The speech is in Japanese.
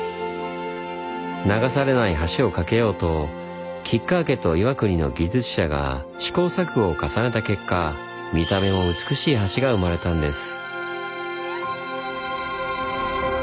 流されない橋を架けようと吉川家と岩国の技術者が試行錯誤を重ねた結果見た目も美しい橋が生まれたんです。